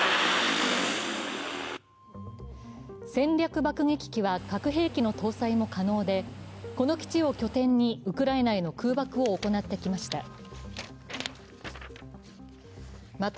戦略爆撃機は核兵器の搭載も可能でこの基地を拠点にウクライナへの空爆を行ってきました。